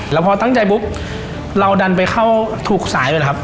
แล้วพอตั้งใจปุ๊บเราดันไปเข้าถูกสายไปเลยครับ